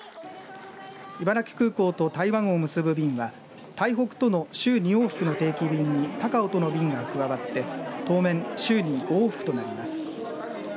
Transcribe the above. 茨城空港と台湾を結ぶ便は台北との週２往復の定期便に高雄との便が加わって当面、週に５往復となります。